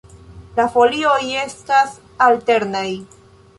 La folioj estas alternaj.